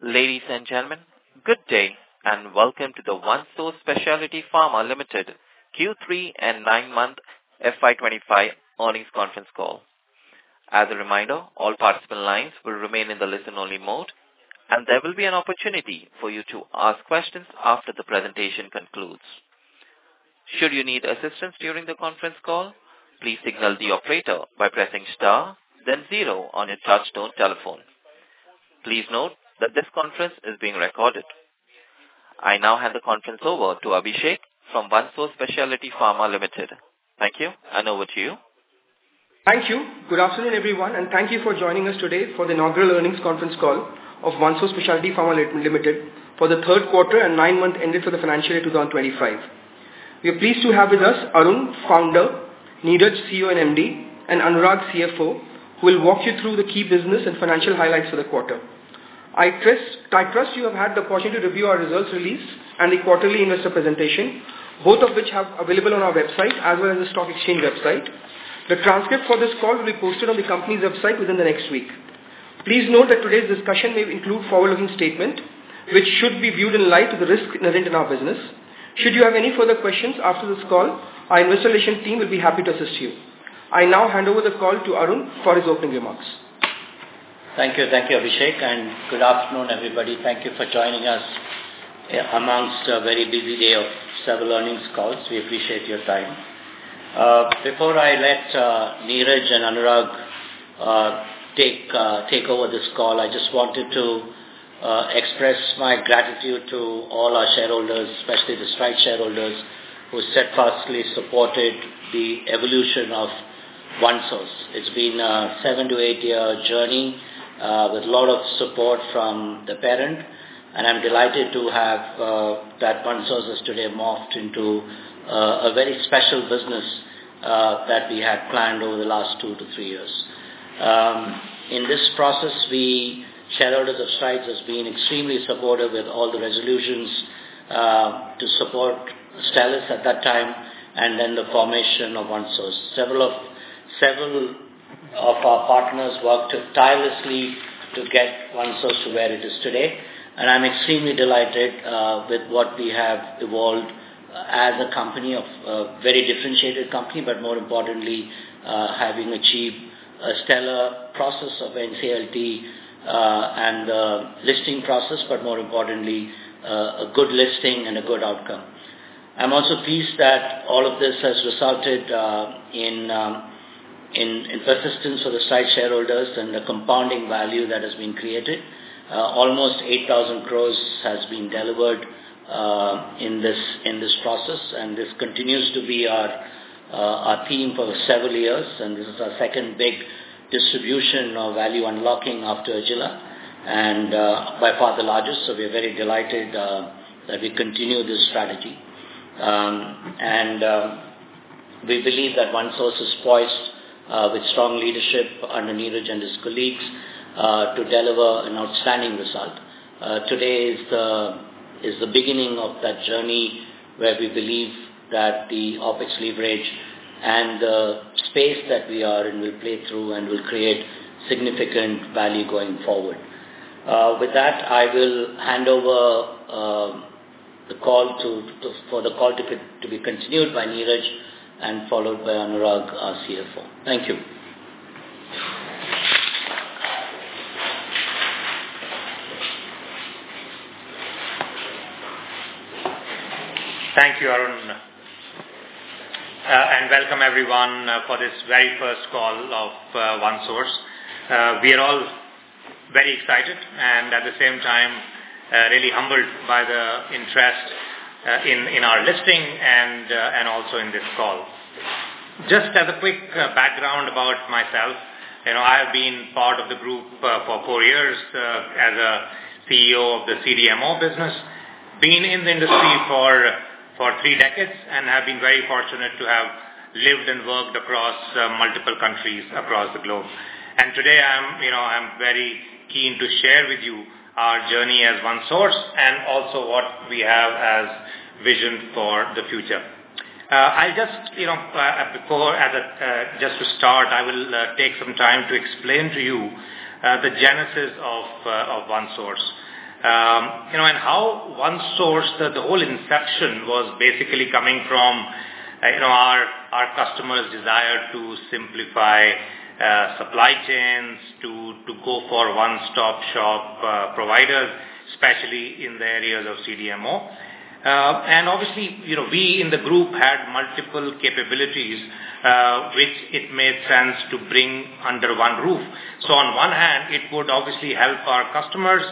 Ladies and gentlemen, good day, welcome to the OneSource Specialty Pharma Limited Q3 and nine-month FY 2025 earnings conference call. As a reminder, all participant lines will remain in the listen-only mode, there will be an opportunity for you to ask questions after the presentation concludes. Should you need assistance during the conference call, please signal the operator by pressing star then zero on your touchtone telephone. Please note that this conference is being recorded. I now hand the conference over to Abhishek from OneSource Specialty Pharma Limited. Thank you, and over to you. Thank you. Good afternoon, everyone, thank you for joining us today for the inaugural earnings conference call of OneSource Specialty Pharma Limited for the third quarter and nine-month ending for the financial year 2025. We are pleased to have with us Arun, Founder, Neeraj, CEO and MD, and Anurag, CFO, who will walk you through the key business and financial highlights for the quarter. I trust you have had the opportunity to review our results release and the quarterly investor presentation, both of which are available on our website as well as the stock exchange website. The transcript for this call will be posted on the company's website within the next week. Please note that today's discussion may include forward-looking statement, which should be viewed in light of the risk inherent in our business. Should you have any further questions after this call, our investor relation team will be happy to assist you. I now hand over the call to Arun for his opening remarks. Thank you. Thank you, Abhishek, good afternoon, everybody. Thank you for joining us amongst a very busy day of several earnings calls. We appreciate your time. Before I let Neeraj and Anurag take over this call, I just wanted to express my gratitude to all our shareholders, especially the Strides shareholders, who steadfastly supported the evolution of OneSource. It's been a seven to eight-year journey with a lot of support from the parent, I'm delighted to have that OneSource has today morphed into a very special business that we had planned over the last two to three years. In this process, shareholders of Strides has been extremely supportive with all the resolutions to support Stelis at that time then the formation of OneSource. Several of our partners worked tirelessly to get OneSource to where it is today, and I'm extremely delighted with what we have evolved as a very differentiated company, but more importantly, having achieved a stellar process of NCLT and the listing process, but more importantly, a good listing and a good outcome. I'm also pleased that all of this has resulted in persistence for the Strides shareholders and the compounding value that has been created. Almost 8,000 crore has been delivered in this process, and this continues to be our theme for several years. This is our second big distribution of value unlocking after Agila, and by far the largest. We are very delighted that we continue this strategy. We believe that OneSource is poised with strong leadership under Neeraj and his colleagues to deliver an outstanding result. Today is the beginning of that journey where we believe that the OpEx leverage and the space that we are in will play through and will create significant value going forward. With that, I will hand over for the call to be continued by Neeraj followed by Anurag, our CFO. Thank you. Thank you, Arun. Welcome everyone for this very first call of OneSource. We are all very excited and at the same time really humbled by the interest in our listing and also in this call. Just as a quick background about myself. I have been part of the group for four years as a CEO of the CDMO business. Been in the industry for three decades and have been very fortunate to have lived and worked across multiple countries across the globe. Today, I'm very keen to share with you our journey as OneSource and also what we have as vision for the future. Just to start, I will take some time to explain to you the genesis of OneSource. How OneSource, the whole inception was basically coming from our customers' desire to simplify supply chains to go for one-stop-shop providers, especially in the areas of CDMO. Obviously, we in the group had multiple capabilities, which it made sense to bring under one roof. So on one hand, it would obviously help our customers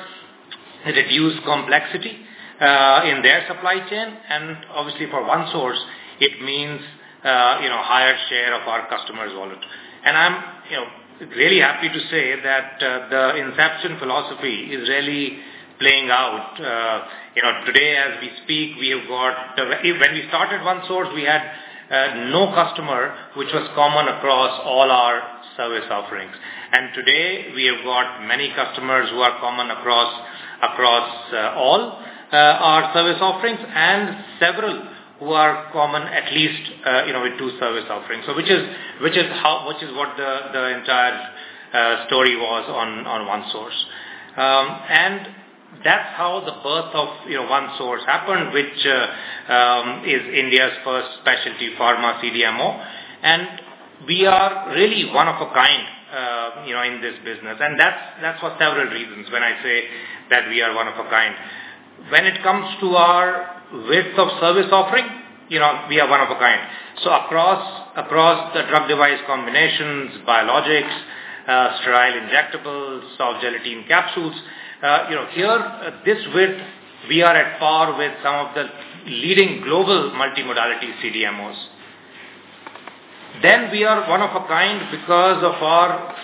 reduce complexity in their supply chain, obviously for OneSource, it means higher share of our customers' wallet. I'm really happy to say that the inception philosophy is really playing out. Today as we speak, we have got. When we started OneSource, we had no customer, which was common across all our service offerings. Today we have got many customers who are common across all our service offerings and several who are common at least with two service offerings. Which is what the entire story was on OneSource. That's how the birth of OneSource happened, which is India's first specialty pharma CDMO, and we are really one of a kind in this business, and that's for several reasons when I say that we are one of a kind. When it comes to our width of service offering, we are one of a kind. Across the Drug-Device Combinations, biologics, sterile injectables, soft gelatin capsules, here, this width, we are at par with some of the leading global multimodality CDMOs. Then we are one of a kind because of our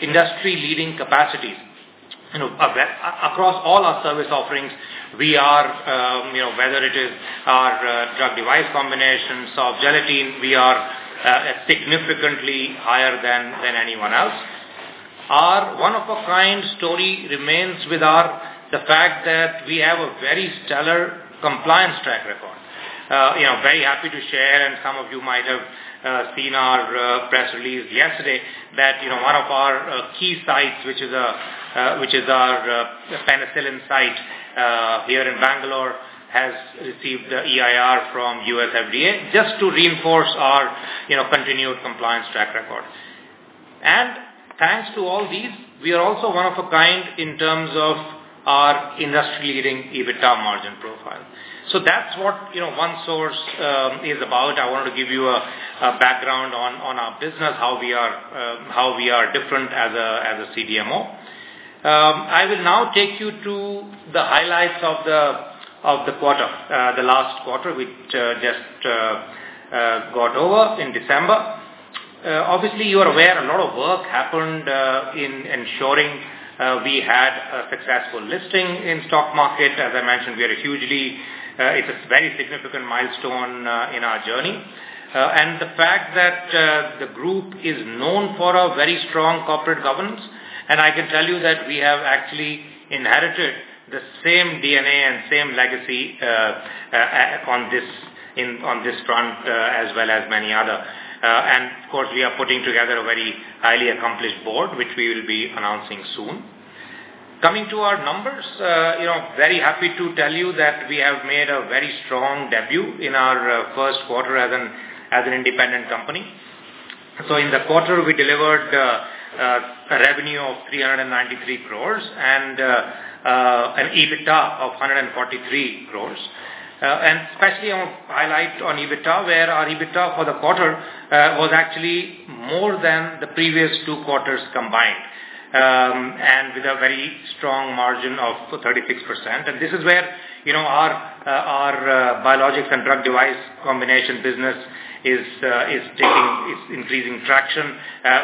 industry-leading capacities. Across all our service offerings, whether it is our Drug-Device Combinations, soft gelatin, we are significantly higher than anyone else. Our one of a kind story remains with the fact that we have a very stellar compliance track record. Very happy to share, some of you might have seen our press release yesterday that one of our key sites, which is our penicillin site here in Bangalore, has received the EIR from U.S. FDA just to reinforce our continued compliance track record. Thanks to all these, we are also one of a kind in terms of our industry-leading EBITDA margin profile. That's what OneSource is about. I wanted to give you a background on our business, how we are different as a CDMO. I will now take you to the highlights of the quarter, the last quarter, which just got over in December. Obviously, you are aware a lot of work happened in ensuring we had a successful listing in stock market. As I mentioned, it's a very significant milestone in our journey. The fact that the group is known for a very strong corporate governance, and I can tell you that we have actually inherited the same DNA and same legacy on this front as well as many other. Of course, we are putting together a very highly accomplished board, which we will be announcing soon. Coming to our numbers, very happy to tell you that we have made a very strong debut in our first quarter as an independent company. In the quarter, we delivered a revenue of 393 crore and an EBITDA of 143 crore. Especially I want to highlight on EBITDA, where our EBITDA for the quarter was actually more than the previous two quarters combined, and with a very strong margin of 36%. This is where our biologics and Drug-Device Combination business is increasing traction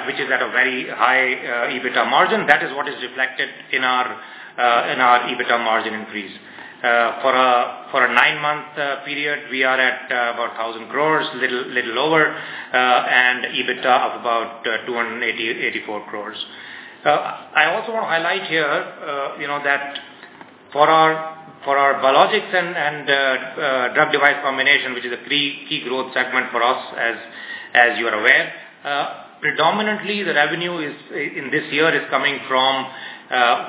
which is at a very high EBITDA margin. That is what is reflected in our EBITDA margin increase. For a nine-month period, we are at about 1,000 crore, little lower, and EBITDA of about 284 crore. I also want to highlight here that for our biologics and Drug-Device Combination, which is a key growth segment for us, as you are aware. Predominantly, the revenue in this year is coming from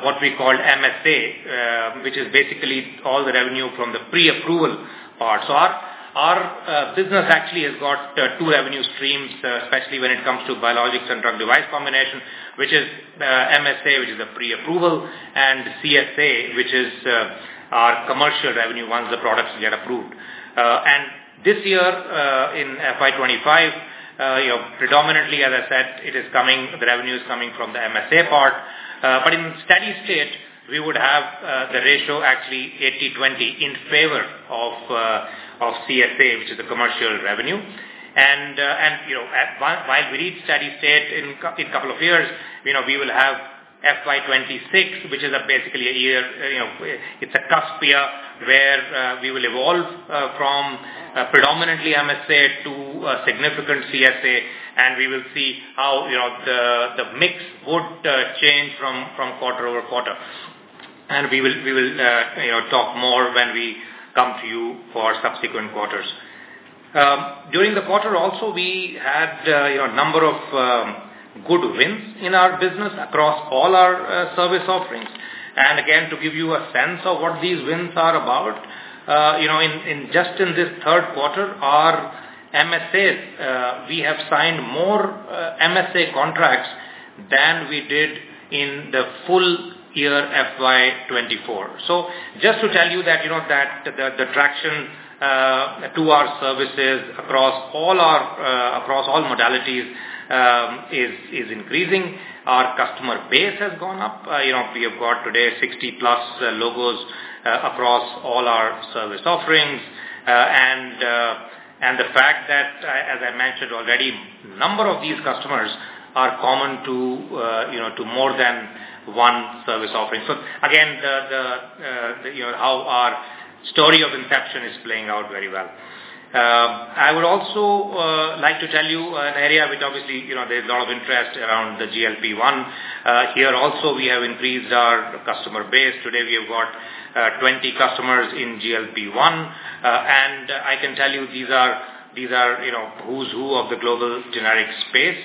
what we call MSA, which is basically all the revenue from the pre-approval part. Our business actually has got two revenue streams, especially when it comes to biologics and Drug-Device Combination, which is MSA, which is a pre-approval, and CSA, which is our commercial revenue once the products get approved. This year, in FY 2025, predominantly, as I said, the revenue is coming from the MSA part. In steady state, we would have the ratio actually 80/20 in favor of CSA, which is the commercial revenue. While we reach steady state in 2 years, we will have FY 2026, which is basically a year. It is a cusp year where we will evolve from predominantly MSA to a significant CSA, and we will see how the mix would change from quarter-over-quarter. We will talk more when we come to you for subsequent quarters. During the quarter also, we had a number of good wins in our business across all our service offerings. Again, to give you a sense of what these wins are about, just in this third quarter, our MSAs, we have signed more MSA contracts than we did in the full year FY 2024. Just to tell you that the traction to our services across all modalities is increasing. Our customer base has gone up. We have got today 60 plus logos across all our service offerings. The fact that, as I mentioned already, number of these customers are common to more than one service offering. Again, how our story of inception is playing out very well. I would also. An area which obviously there is a lot of interest around the GLP-1. Here also, we have increased our customer base. Today we have got 20 customers in GLP-1. I can tell you these are who is who of the global generic space.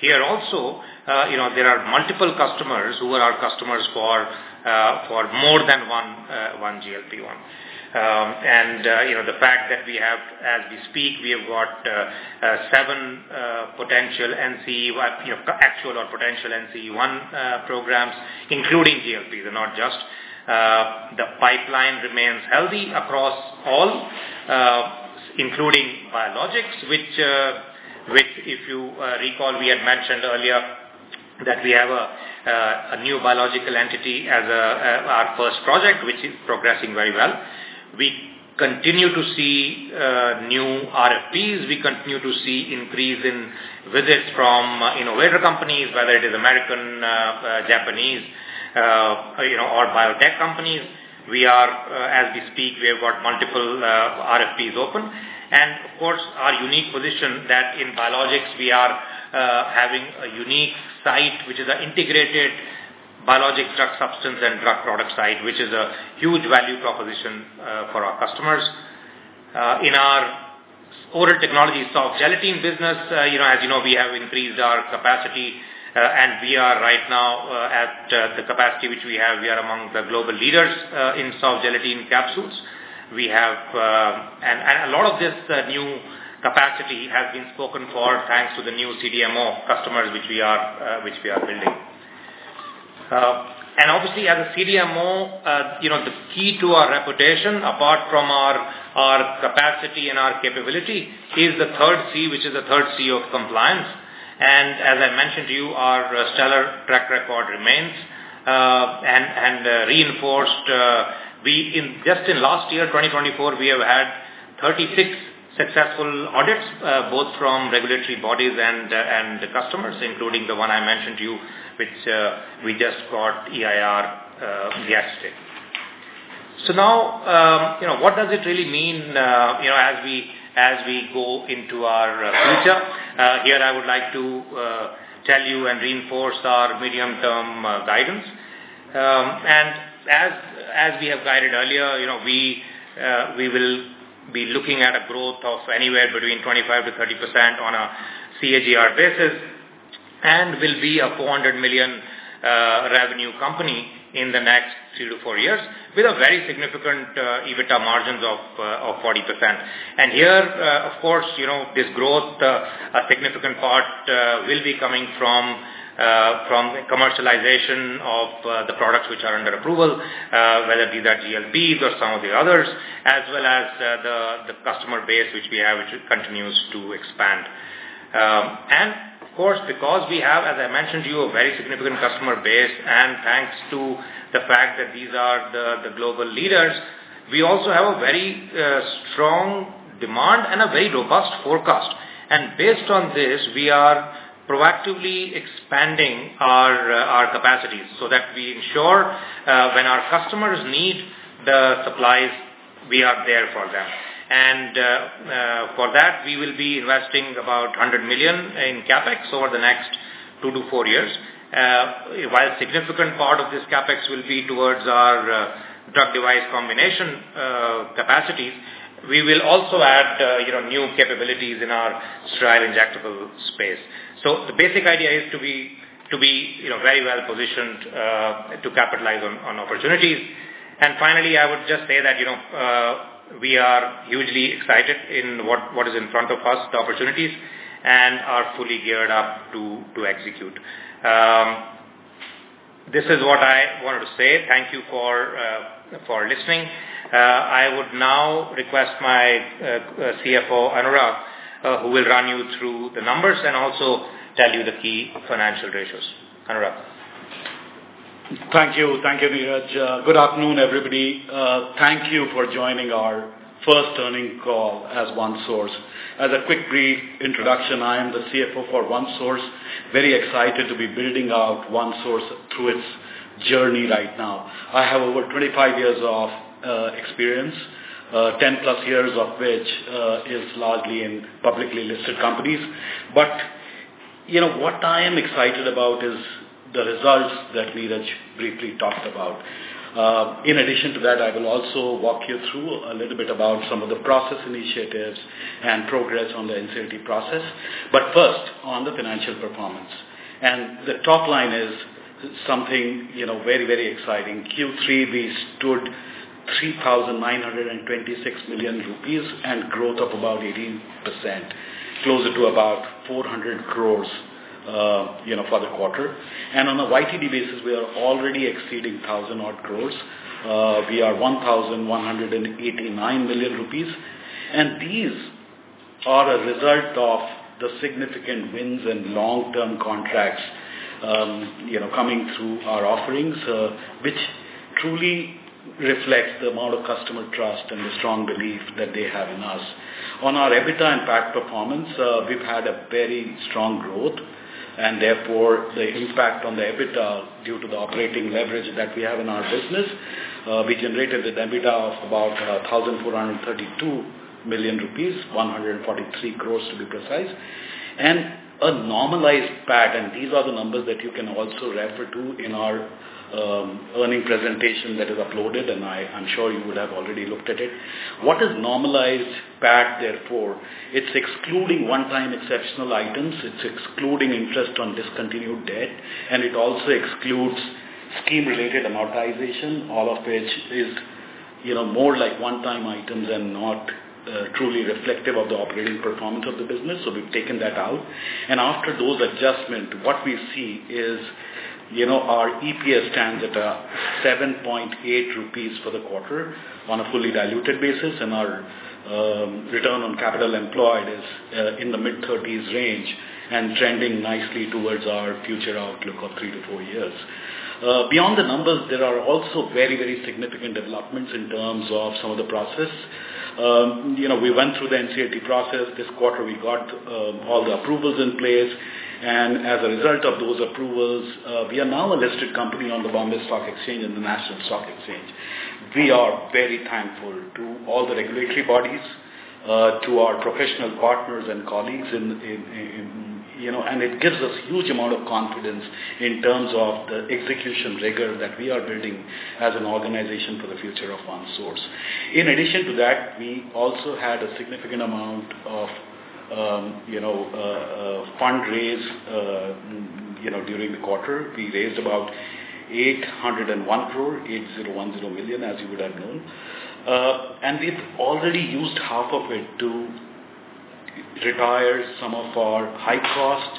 Here also there are multiple customers who are our customers for more than one GLP-1. The fact that we have, as we speak, we have got 7 potential actual or potential NCE-1 programs, including GLP, they are not just. The pipeline remains healthy across all, including biologics, which if you recall, we had mentioned earlier that we have a new biological entity as our first project, which is progressing very well. We continue to see new RFPs. We continue to see increase in visits from innovator companies, whether it is U.S., Japanese, or biotech companies. As we speak, we have got multiple RFPs open. Of course, our unique position that in biologics we are having a unique site, which is an integrated biologic drug substance and drug product site, which is a huge value proposition for our customers. In our oral technologies soft gelatin business, as you know, we have increased our capacity, and we are right now at the capacity which we have, we are among the global leaders in soft gelatin capsules. A lot of this new capacity has been spoken for thanks to the new CDMO customers which we are building. Obviously as a CDMO, the key to our reputation, apart from our capacity and our capability, is the third C, which is the third C of compliance. As I mentioned to you, our stellar track record remains and reinforced. Just in last year, 2024, we have had 36 successful audits both from regulatory bodies and the customers, including the one I mentioned to you, which we just got EIR yesterday. Now, what does it really mean as we go into our future? Here I would like to tell you and reinforce our medium-term guidance. As we have guided earlier, we will be looking at a growth of anywhere between 25%-30% on a CAGR basis and will be an 400 million revenue company in the next 3-4 years with very significant EBITDA margins of 40%. Here of course, this growth, a significant part will be coming from commercialization of the products which are under approval, whether these are GLPs or some of the others, as well as the customer base which we have, which continues to expand. Of course, because we have, as I mentioned to you, a very significant customer base, and thanks to the fact that these are the global leaders, we also have a very strong demand and a very robust forecast. Based on this, we are proactively expanding our capacities so that we ensure when our customers need the supplies, we are there for them. For that, we will be investing about 100 million in CapEx over the next 2-4 years. While a significant part of this CapEx will be towards our Drug-Device Combination capacities, we will also add new capabilities in our sterile injectable space. The basic idea is to be very well-positioned to capitalize on opportunities. Finally, I would just say that we are hugely excited in what is in front of us, the opportunities, and are fully geared up to execute. This is what I wanted to say. Thank you for listening. I would now request my CFO, Anurag, who will run you through the numbers and also tell you the key financial ratios. Anurag. Thank you, Neeraj. Good afternoon, everybody. Thank you for joining our first earnings call as OneSource. As a quick brief introduction, I am the CFO for OneSource. Very excited to be building out OneSource through its journey right now. I have over 25 years of experience, 10+ years of which is largely in publicly listed companies. What I am excited about is the results that Neeraj briefly talked about. In addition to that, I will also walk you through a little bit about some of the process initiatives and progress on the NCE process. First, on the financial performance. The top line is something very exciting. Q3, we stood 3,926 million rupees and growth of about 18%, closer to about 400 crore for the quarter. On a YTD basis, we are already exceeding 1,000 odd crore. We are 1,189 million rupees. These are a result of the significant wins and long-term contracts coming through our offerings which truly reflects the amount of customer trust and the strong belief that they have in us. On our EBITDA and PAT performance, we have had a very strong growth. Therefore, the impact on the EBITDA due to the operating leverage that we have in our business, we generated an EBITDA of about 1,432 million rupees, 143 crore to be precise, and a normalized PAT. These are the numbers that you can also refer to in our earnings presentation that is uploaded, and I'm sure you would have already looked at it. What is normalized PAT, therefore? It is excluding one-time exceptional items, it is excluding interest on discontinued debt, and it also excludes scheme-related amortization. All of which is more like one-time items and not truly reflective of the operating performance of the business. We've taken that out. After those adjustment, what we see is our EPS stands at 7.8 rupees for the quarter on a fully diluted basis, and our Return on Capital Employed is in the mid-30s range and trending nicely towards our future outlook of three to four years. Beyond the numbers, there are also very significant developments in terms of some of the process. We went through the NCLT process. This quarter, we got all the approvals in place. As a result of those approvals, we are now a listed company on the Bombay Stock Exchange and the National Stock Exchange. We are very thankful to all the regulatory bodies, to our professional partners and colleagues. It gives us huge amount of confidence in terms of the execution rigor that we are building as an organization for the future of OneSource. In addition to that, we also had a significant amount of fund-raise during the quarter. We raised about 801 crore, 8,010 million, as you would have known. We've already used half of it to retire some of our high cost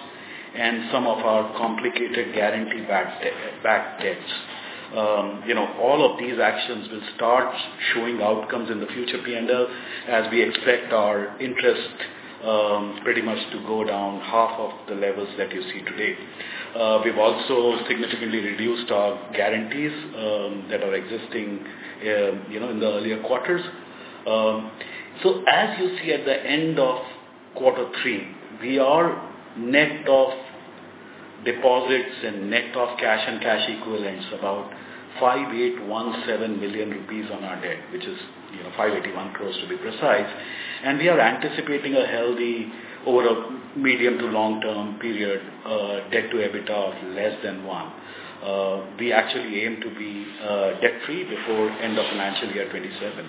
and some of our complicated guarantee-backed debts. All of these actions will start showing outcomes in the future PNL, as we expect our interest pretty much to go down half of the levels that you see today. We've also significantly reduced our guarantees that are existing in the earlier quarters. As you see at the end of quarter three, we are net of deposits and net of cash and cash equivalents, about 5,817 million rupees on our debt, which is 581 crore to be precise. We are anticipating a healthy, over a medium to long-term period, debt to EBITDA of less than one. We actually aim to be debt-free before end of financial year 2027.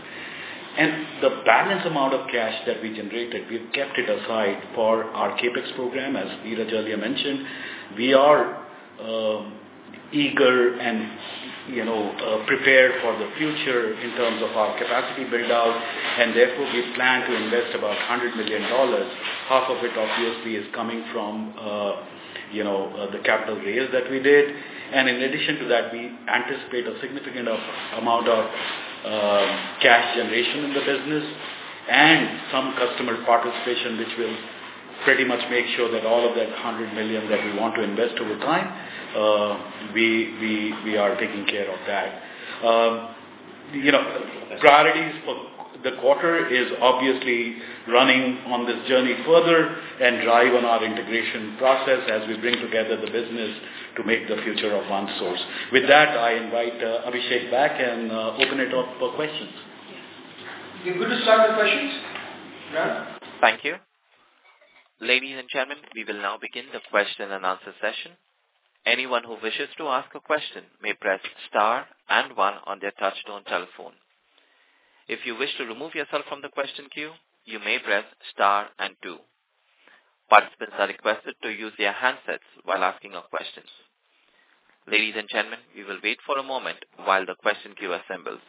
The balance amount of cash that we generated, we've kept it aside for our CapEx program, as Neeraj earlier mentioned. We are eager and prepared for the future in terms of our capacity build-out. Therefore, we plan to invest about $100 million. Half of it, obviously, is coming from the capital raise that we did. In addition to that, we anticipate a significant amount of cash generation in the business and some customer participation, which will pretty much make sure that all of that $100 million that we want to invest over time, we are taking care of that. Priorities for the quarter is obviously running on this journey further and drive on our integration process as we bring together the business to make the future of OneSource. With that, I invite Abhishek back and open it up for questions. We're good to start with questions? Yeah. Thank you. Ladies and gentlemen, we will now begin the question and answer session. Anyone who wishes to ask a question may press star and one on their touchtone telephone. If you wish to remove yourself from the question queue, you may press star and two. Participants are requested to use their handsets while asking a question. Ladies and gentlemen, we will wait for a moment while the question queue assembles.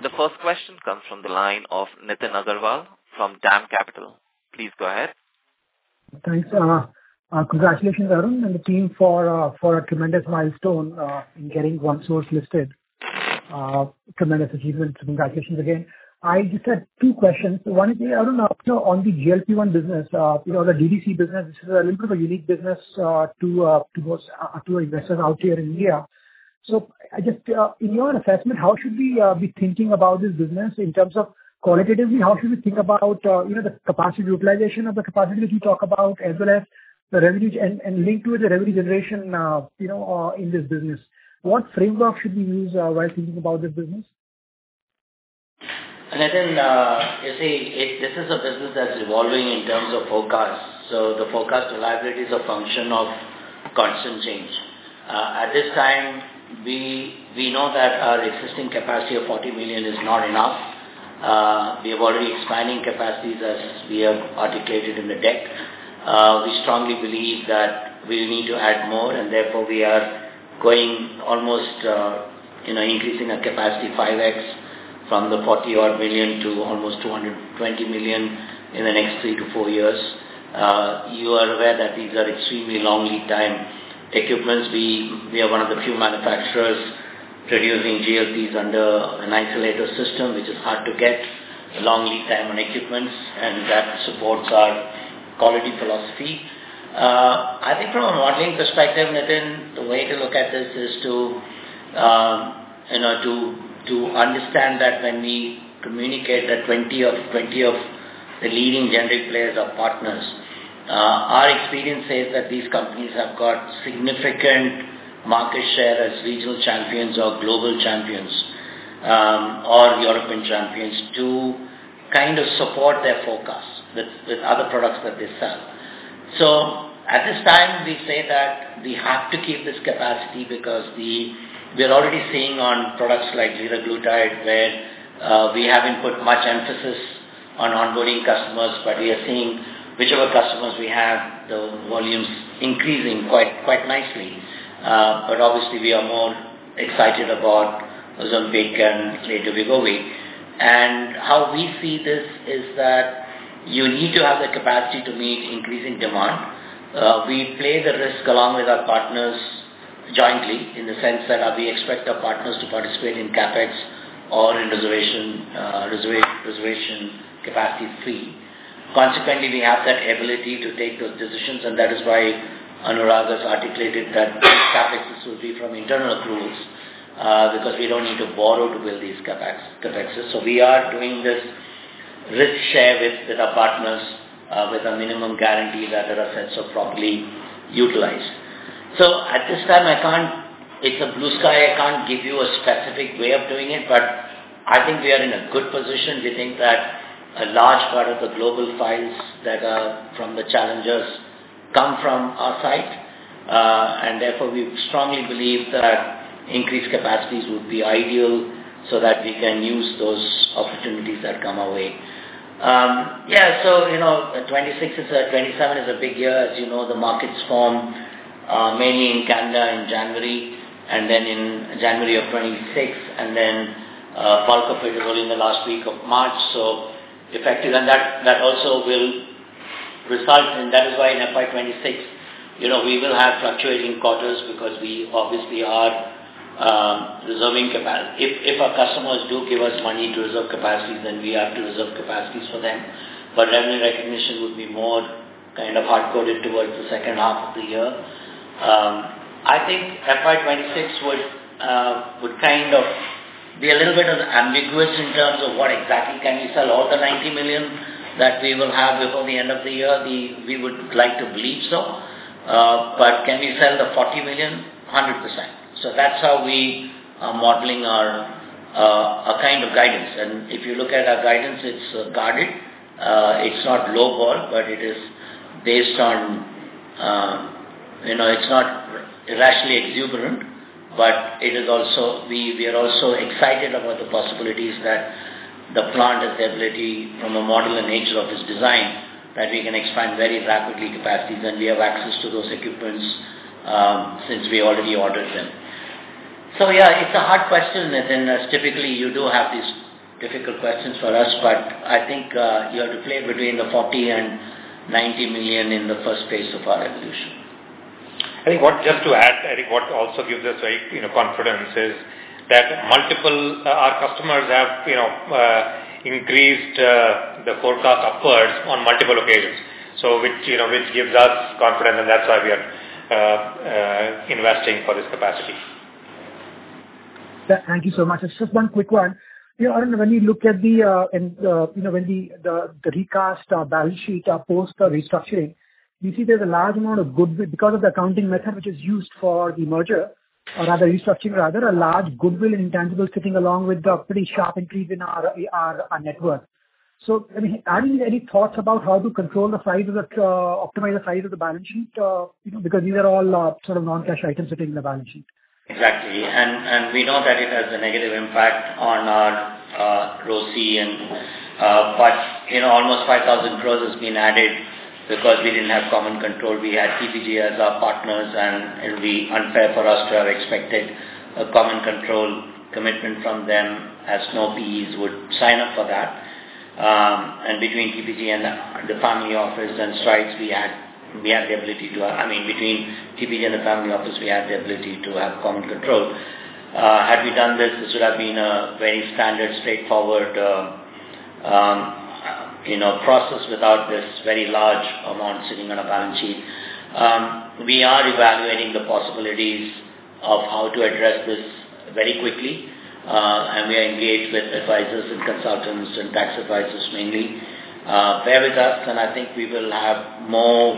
The first question comes from the line of Nitin Agarwal from DAM Capital. Please go ahead. Thanks. Congratulations, Arun and the team, for a tremendous milestone in getting OneSource listed. Tremendous achievement. Congratulations again. I just had two questions. One is, Arun, on the GLP-1 business. The DDC business, this is a little bit of a unique business to investors out here in India. Just in your assessment, how should we be thinking about this business in terms of qualitatively, how should we think about the capacity utilization or the capacity that you talk about, as well as the revenue, and link to the revenue generation in this business? What framework should we use while thinking about this business? Nitin, you see, this is a business that's evolving in terms of forecast. The forecast reliability is a function of constant change. At this time, we know that our existing capacity of 40 million is not enough. We are already expanding capacities as we have articulated in the deck. We strongly believe that we'll need to add more, and therefore, we are going almost increasing our capacity 5x from the 40 odd million to almost 220 million in the next 3-4 years. You are aware that these are extremely long lead time equipments. We are one of the few manufacturers producing GLPs under an isolator system, which is hard to get, a long lead time on equipments, and that supports our quality philosophy. I think from a modeling perspective, Nitin, the way to look at this is to understand that when we communicate that 20 of the leading generic players are partners, our experience says that these companies have got significant market share as regional champions or global champions, or European champions to kind of support their forecast with other products that they sell. At this time, we say that we have to keep this capacity because we're already seeing on products like liraglutide, where we haven't put much emphasis on onboarding customers, but we are seeing whichever customers we have, the volumes increasing quite nicely. Obviously, we are more excited about Ozempic and later Wegovy. How we see this is that you need to have the capacity to meet increasing demand. We play the risk along with our partners jointly in the sense that we expect our partners to participate in CapEx or in reservation capacity free. Consequently, we have that ability to take those decisions, and that is why Anurag has articulated that this CapEx will be from internal accruals, because we don't need to borrow to build these CapExes. We are doing this risk share with our partners, with a minimum guarantee that the assets are properly utilized. At this time, it's a blue sky. I can't give you a specific way of doing it, but I think we are in a good position. We think that a large part of the global files that are from the challengers come from our site. Therefore, we strongly believe that increased capacities would be ideal so that we can use those opportunities that come our way. Yeah, 2026, 2027 is a big year. As you know, the markets form mainly in Canada in January, and then in January of 2026, and then bulk of it will be in the last week of March. Effective, and that also will result, and that is why in FY 2026, we will have fluctuating quarters because we obviously are reserving capacity. If our customers do give us money to reserve capacity, then we have to reserve capacities for them. Revenue recognition would be more kind of hardcoded towards the second half of the year. I think FY 2026 would kind of be a little bit ambiguous in terms of what exactly can we sell all the $90 million that we will have before the end of the year. We would like to believe so. Can we sell the $40 million? 100%. That's how we are modeling our kind of guidance. If you look at our guidance, it's guarded. It's not lowball, but it is based on-- It's not irrationally exuberant, but we are also excited about the possibilities that the plant has the ability from a modular nature of its design, that we can expand very rapidly capacities, and we have access to those equipments since we already ordered them. Yeah, it's a hard question, Nitin, as typically you do have these difficult questions for us, but I think you have to play between the $40 million and $90 million in the first phase of our evolution. Just to add, I think what also gives us confidence is that our customers have increased the forecast upwards on multiple occasions. Which gives us confidence, and that's why we are investing for this capacity. Thank you so much. It's just one quick one. Arun, when we look at the recast or balance sheet post the restructuring, we see there's a large amount of goodwill because of the accounting method which is used for the merger or rather restructuring, rather a large goodwill and intangibles sitting along with the pretty sharp increase in our net worth. Arun, any thoughts about how to control the size of the optimize the size of the balance sheet? Because these are all sort of non-cash items sitting in the balance sheet. Exactly. We know that it has a negative impact on our ROCE. Almost 5,000 crores has been added because we didn't have common control. We had PPG as our partners, and it would be unfair for us to have expected a common control commitment from them as no PEs would sign up for that. Between PPG and the family office and Strides, we have the ability to have common control. Had we done this would have been a very standard, straightforward process without this very large amount sitting on our balance sheet. We are evaluating the possibilities of how to address this very quickly. We are engaged with advisors and consultants and tax advisors mainly. Bear with us, I think we will have more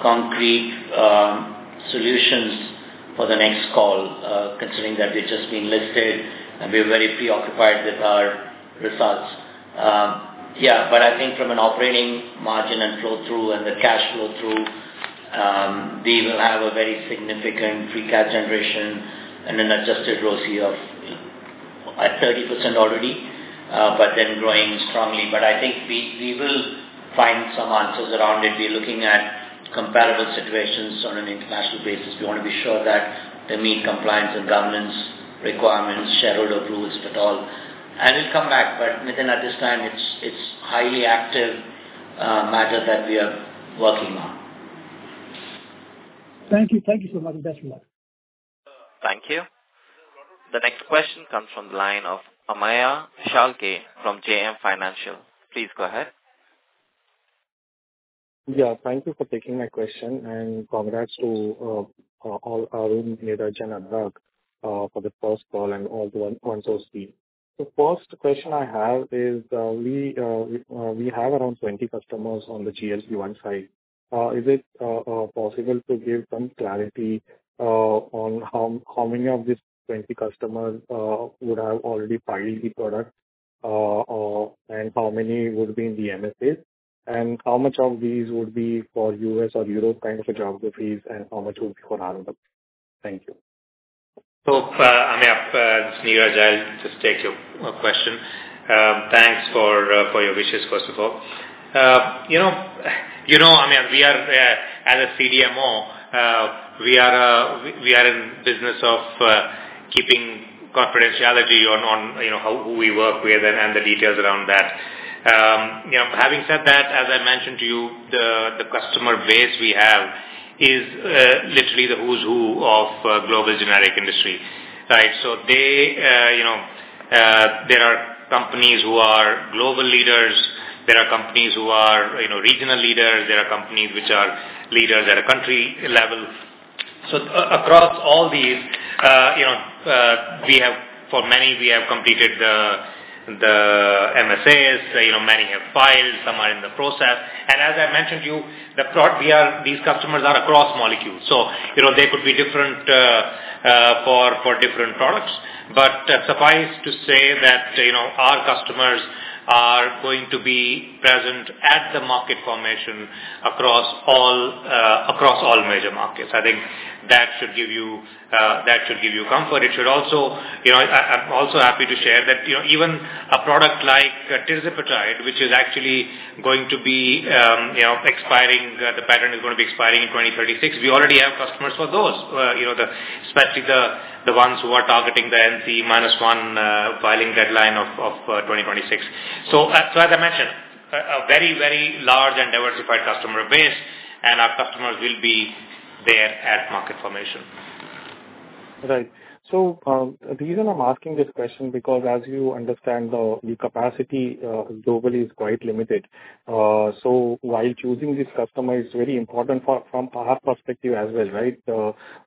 concrete solutions for the next call, considering that we've just been listed and we're very preoccupied with our results. I think from an operating margin and flow-through and the cash flow through, we will have a very significant free cash generation and an adjusted ROCE of at 30% already but then growing strongly. I think we will find some answers around it. We're looking at comparable situations on an international basis. We want to be sure that they meet compliance and governance requirements, shareholder approvals, et al. We'll come back, but Nitin, at this time, it's highly active matter that we are working on. Thank you. Thank you so much, and best of luck. Thank you. The next question comes from the line of Amey Chalke from JM Financial. Please go ahead. Thank you for taking my question, and congrats to Arun, Neeraj, and Anurag, for the first call and all the OneSource team. The first question I have is, we have around 20 customers on the GLP-1 side. Is it possible to give some clarity on how many of these 20 customers would have already filed the product, and how many would be in the MSAs, and how much of these would be for U.S. or Europe kind of geographies, and how much would be for other countries? Thank you. Amaya, this is Neeraj. I'll just take your question. Thanks for your wishes, first of all. We are, as a CDMO, we are in business of keeping confidentiality on who we work with and the details around that. Having said that, as I mentioned to you, the customer base we have is literally the who's who of global generic industry. There are companies who are global leaders, there are companies who are regional leaders, there are companies which are leaders at a country level. Across all these, for many, we have completed the MSAs, many have filed, some are in the process. As I mentioned to you, these customers are across molecules, so they could be different for different products. Suffice to say that our customers are going to be present at the market formation across all major markets. I think that should give you comfort. I'm also happy to share that even a product like tirzepatide, which is actually going to be expiring, the patent is going to be expiring in 2036, we already have customers for those, especially the ones who are targeting the MC minus one filing deadline of 2026. As I mentioned, a very large and diversified customer base, our customers will be there at market formation. The reason I'm asking this question, because as you understand, the capacity globally is quite limited. While choosing this customer is very important from our perspective as well, right?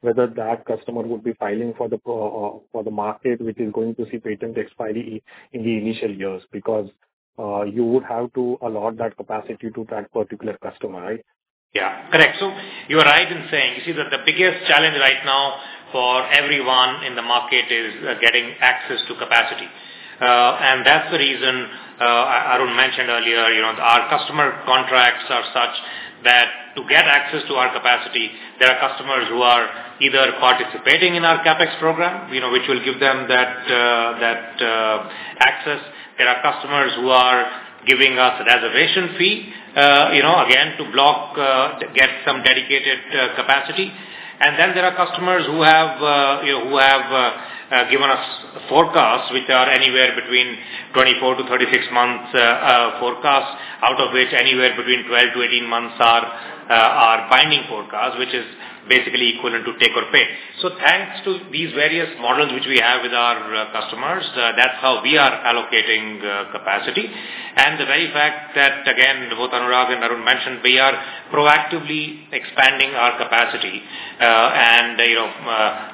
Whether that customer would be filing for the market, which is going to see patent expiry in the initial years, because you would have to allot that capacity to that particular customer, right? Correct. You are right in saying, you see that the biggest challenge right now for everyone in the market is getting access to capacity. That's the reason Arun mentioned earlier, our customer contracts are such that to get access to our capacity, there are customers who are either participating in our CapEx program, which will give them that access. There are customers who are giving us a reservation fee, again, to block, get some dedicated capacity. Then there are customers who have given us forecasts which are anywhere between 24-36 months forecasts, out of which anywhere between 12-18 months are binding forecasts, which is basically equivalent to take or pay. Thanks to these various models which we have with our customers, that's how we are allocating capacity. The very fact that, again, both Anurag and Arun mentioned, we are proactively expanding our capacity.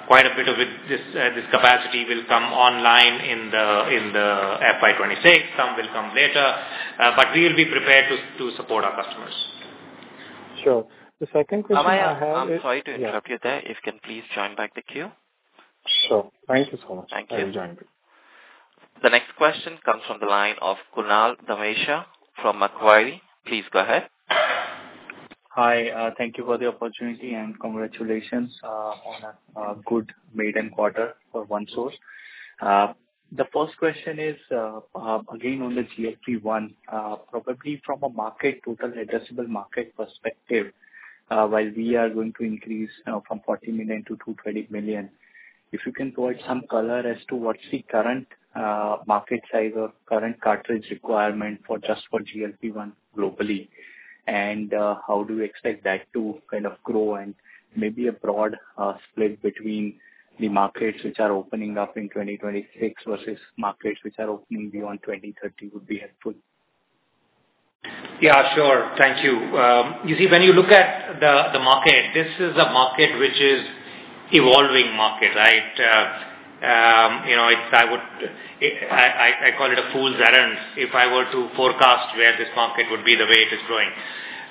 Quite a bit of this capacity will come online in the FY 2026, some will come later. We will be prepared to support our customers. Sure. The second question I have is- Amaya, I'm sorry to interrupt you there. If you can please join back the queue. Sure. Thank you so much. Thank you. I will join back. The next question comes from the line of Kunal Dhamesha from Macquarie. Please go ahead. Hi, thank you for the opportunity and congratulations on a good maiden quarter for OneSource. The first question is, again, on the GLP-1, probably from a total addressable market perspective, while we are going to increase from 40 million to 200 million, if you can provide some color as to what's the current market size or current cartridge requirement just for GLP-1 globally, and how do you expect that to grow, and maybe a broad split between the markets which are opening up in 2026 versus markets which are opening beyond 2030 would be helpful. Yeah, sure. Thank you. You see, when you look at the market, this is a market which is evolving market, right? I call it a fool's errand if I were to forecast where this market would be, the way it is growing.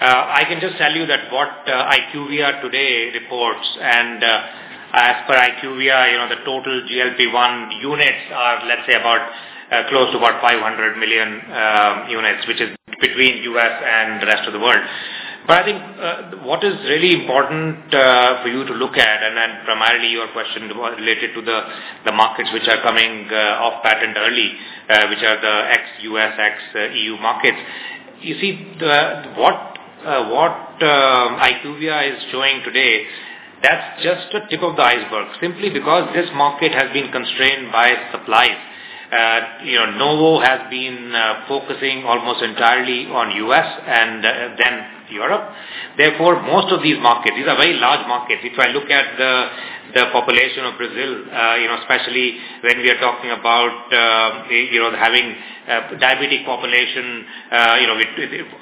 I can just tell you that what IQVIA today reports, and as per IQVIA, the total GLP-1 units are, let's say, about close to about 500 million units, which is between U.S. and the rest of the world. I think what is really important for you to look at, and then primarily your question related to the markets which are coming off patent early, which are the ex-U.S., ex-EU markets. You see, what IQVIA is showing today, that's just the tip of the iceberg, simply because this market has been constrained by supplies Novo has been focusing almost entirely on U.S. and then Europe. Therefore, most of these markets, these are very large markets. If I look at the population of Brazil, especially when we are talking about having diabetic population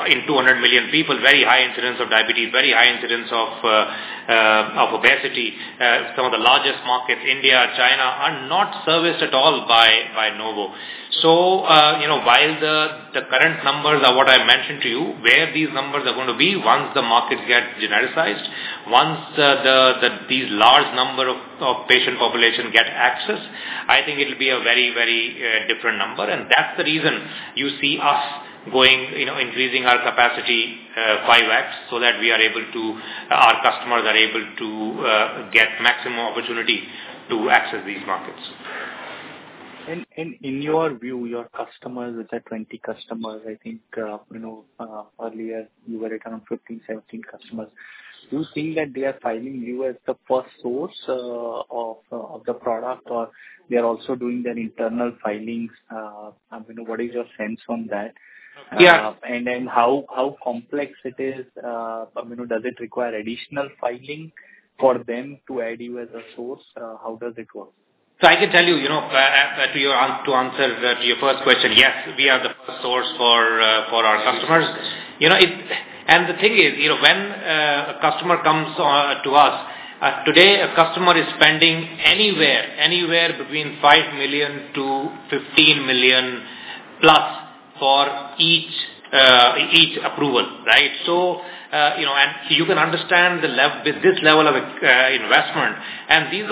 in 200 million people, very high incidence of diabetes, very high incidence of obesity. Some of the largest markets, India, China, are not serviced at all by Novo. While the current numbers are what I mentioned to you, where these numbers are going to be once the markets get genericized, once these large number of patient population get access, I think it'll be a very different number. That's the reason you see us increasing our capacity 5X, so that our customers are able to get maximum opportunity to access these markets. In your view, your customers, which are 20 customers, I think earlier you were around 15, 17 customers. Do you think that they are filing you as the first source of the product, or they're also doing their internal filings? What is your sense on that? Yeah. How complex it is? Does it require additional filing for them to add you as a source? How does it work? I can tell you, to answer to your first question, yes, we are the first source for our customers. The thing is, when a customer comes to us, today a customer is spending anywhere between 5 million-15 million-plus for each approval, right? You can understand this level of investment. These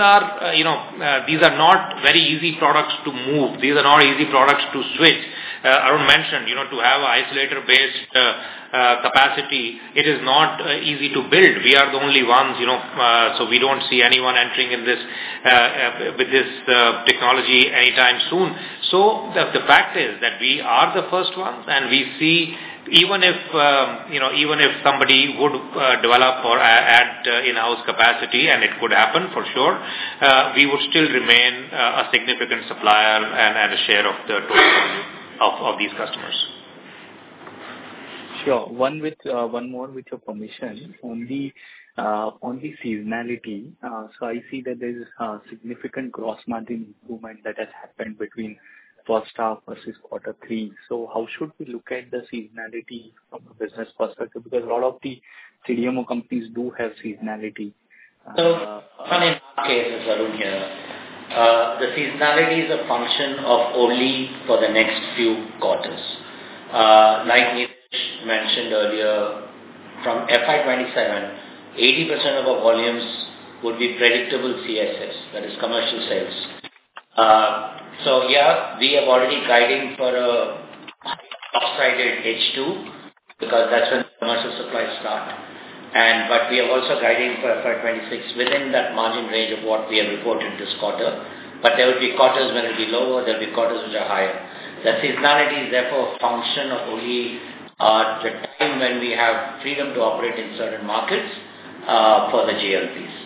are not very easy products to move. These are not easy products to switch. Arun mentioned, to have a isolator-based capacity, it is not easy to build. We are the only ones so we don't see anyone entering with this technology anytime soon. The fact is that we are the first ones, and we see even if somebody would develop or add in-house capacity, and it could happen for sure, we would still remain a significant supplier and a share of these customers. Sure. One more with your permission. On the seasonality. I see that there's a significant gross margin improvement that has happened between first half versus quarter 3. How should we look at the seasonality from a business perspective? Because a lot of the CDMO companies do have seasonality. Tanay, here. The seasonality is a function of only for the next few quarters. Like Nilesh mentioned earlier, from FY 2027, 80% of our volumes would be predictable CSA, that is commercial sales. Yeah, we are already guiding for a lopsided H2 because that's when commercial supplies start. We are also guiding for FY 2026 within that margin range of what we have reported this quarter. There will be quarters when it'll be lower, there'll be quarters which are higher. The seasonality is therefore a function of only the time when we have freedom to operate in certain markets for the GLPs.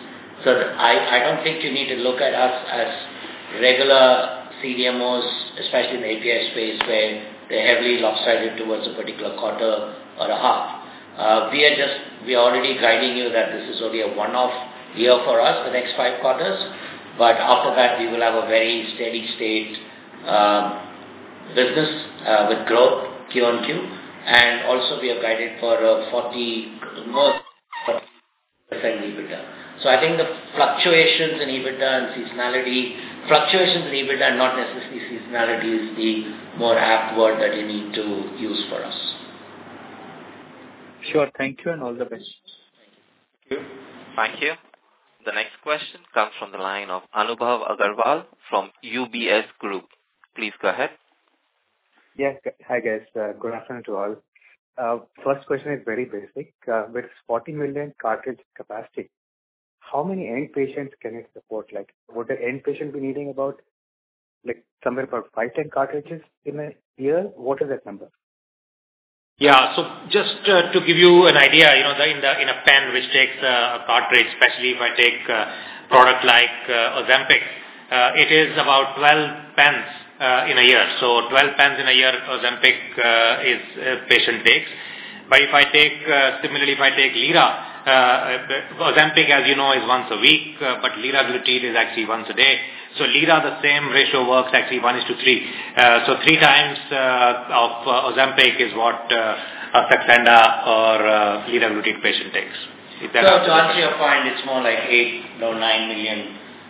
I don't think you need to look at us as regular CDMOs, especially in the API space where they're heavily lopsided towards a particular quarter or a half. We are already guiding you that this is only a one-off year for us, the next 5 quarters, but after that, we will have a very steady state business with growth Q on Q, and also we have guided for a 40%+ EBITDA. I think the fluctuations in EBITDA and seasonality, fluctuations in EBITDA, not necessarily seasonality is the more apt word that you need to use for us. Sure. Thank you and all the best. Thank you. Thank you. The next question comes from the line of Anubhav Agarwal from UBS Group. Please go ahead. Yes. Hi, guys. Good afternoon to all. First question is very basic. With 40 million cartridge capacity, how many end patients can you support? Would an end patient be needing about somewhere about five, 10 cartridges in a year? What is that number? Yeah. Just to give you an idea, in a pen which takes a cartridge, especially if I take a product like Ozempic, it is about 12 pens in a year. 12 pens in a year Ozempic a patient takes. But similarly, if I take Victoza, Ozempic as you know is once a week, but Victoza liraglutide is actually once a day. Victoza, the same ratio works actually 1:3. Three times of Ozempic is what Saxenda or Victoza liraglutide patient takes. To answer your point, it's more like 8 or 9 million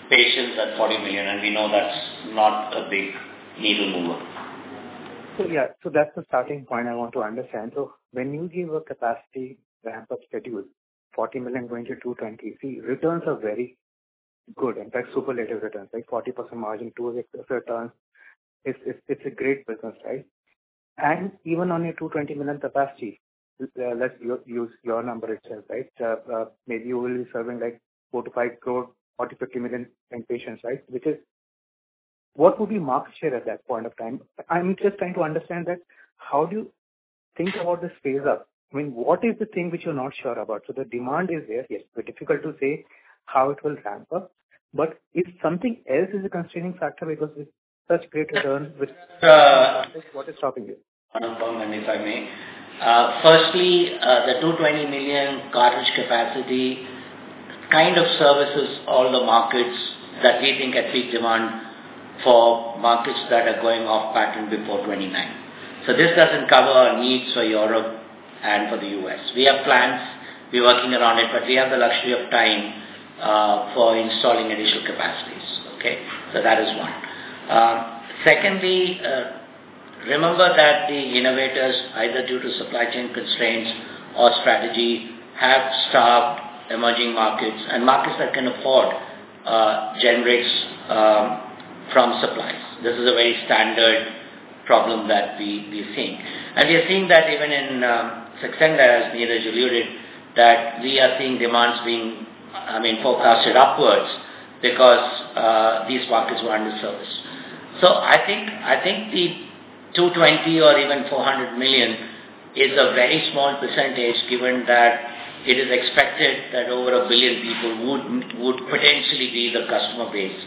patients at 40 million, we know that's not a big needle mover. Yeah. That's the starting point I want to understand. When you give a capacity ramp-up schedule, 40 million going to 220, see, returns are very good. In fact, superlative returns, like 40% margin, 2x returns. It's a great business, right? Even on your 220 million capacity, let's use your number itself, right? Maybe you will be serving 4 to 5 crore, 40, 50 million end patients, right? What would be market share at that point of time? I'm just trying to understand that how do you Think about this phase up. What is the thing which you're not sure about? The demand is there. Yes. Difficult to say how it will ramp up. If something else is a constraining factor because with such great return, which, what is stopping you? Anupam, and if I may. Firstly, the 220 million cartridge capacity kind of services all the markets that we think at peak demand for markets that are going off pattern before 2029. This doesn't cover our needs for Europe and for the U.S. We have plans, we're working around it, but we have the luxury of time for installing additional capacities. Okay, that is one. Secondly, remember that the innovators, either due to supply chain constraints or strategy, have stopped emerging markets and markets that can afford gen rates from suppliers. This is a very standard problem that we think. We are seeing that even in Saxenda, as Neeraj alluded, that we are seeing demands being forecasted upwards because these markets were underserved. I think the 220 or even 400 million is a very small percentage given that it is expected that over a billion people would potentially be the customer base.